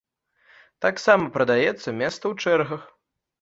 Таксама прадаецца месца ў чэргах.